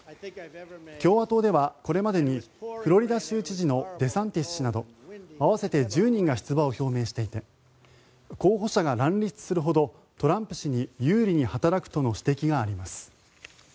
共和党ではこれまでにフロリダ州知事のデサンティス氏など合わせて１０人が出馬を表明していて候補者が乱立するほどトランプ氏に有利に働くとの指摘があります。